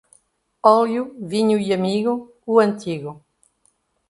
Óleo, vinho e amigo, o antigo.